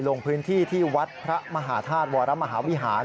ลงพื้นที่ที่วัดพระมหาธาตุวรมหาวิหาร